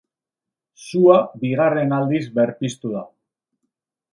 Sua bigarren aldiz berpiztu da.